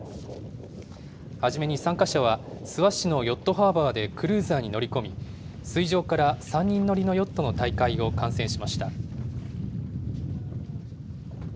初めに参加者は諏訪市のヨットハーバーでクルーザーに乗り込み、水上から３人乗りのヨットの大会を観戦しました。